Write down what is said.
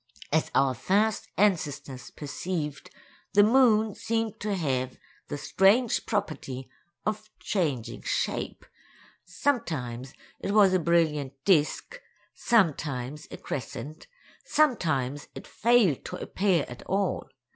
As our first ancestors perceived, the moon seemed to have the strange property of changing shape; sometimes it was a brilliant disk; sometimes a crescent; sometimes it failed to appear at all.